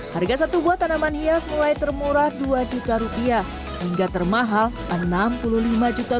harga satu buah tanaman hias mulai termurah dua juta rupiah hingga termahal enam puluh lima juta